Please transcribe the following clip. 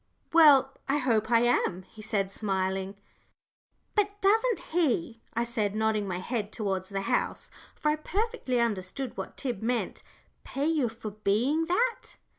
"Well, I hope I am," he said, smiling. "But doesn't he," I said, nodding my head towards the house, for I perfectly understood what Tib meant, "pay you for being that?"